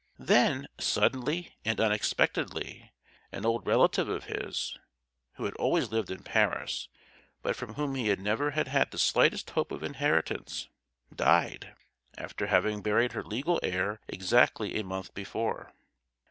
Then, suddenly and unexpectedly, an old relative of his—who had always lived in Paris, but from whom he never had had the slightest hope of inheritance—died, after having buried her legal heir exactly a month before!